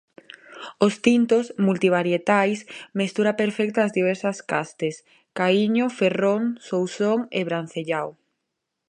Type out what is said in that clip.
Os tintos, multivarietais, mestura perfecta das diversas castes: caíño, ferrón, sousón e brancellao.